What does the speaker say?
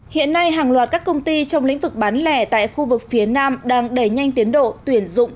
hiện nay hàng loạt các công ty trong lĩnh vực bán lẻ tại khu vực phía nam đang đẩy nhanh tiến độ tuyển dụng